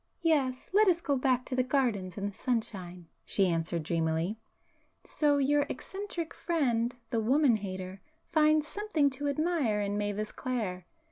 "Yes,—let us go back to the gardens and the sunshine;"—she answered dreamily—"So your eccentric friend,—the woman hater,—finds something to admire in Mavis Clare!